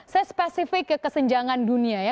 saya spesifik ke kesenjangan dunia ya